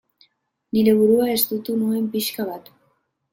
Nire burua estutu nuen pixka bat.